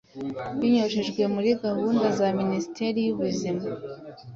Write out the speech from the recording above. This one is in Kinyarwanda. binyujijwe muri gahunda za Minisiteri y’Ubuzima.